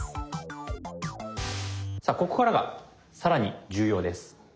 さあここからが更に重要です。